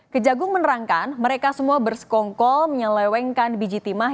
kejagung menerangkan mereka semua bersekongkol menyelewengkan biji timah